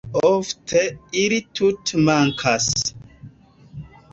Ofte ili tute mankas.